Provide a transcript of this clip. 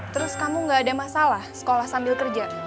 terus kamu gak ada masalah sekolah sambil kerja